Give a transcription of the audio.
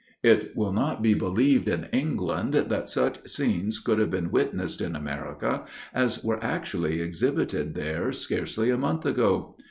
It will not be believed in England, that such scenes could have been witnessed in America, as were actually exhibited there scarcely a month ago.